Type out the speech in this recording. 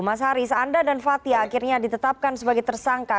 mas haris anda dan fathia akhirnya ditetapkan sebagai tersangka